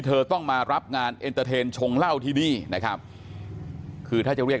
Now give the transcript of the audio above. เธอต้องมารับงานเอ็นเตอร์เทนชงเหล้าที่นี่นะครับคือถ้าจะเรียก